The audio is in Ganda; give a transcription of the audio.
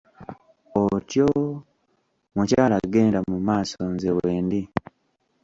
Otyo, mukyala genda mu maaso nze wendi.